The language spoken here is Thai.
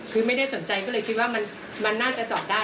คือไม่ได้สนใจก็เลยคิดว่ามันน่าจะจอดได้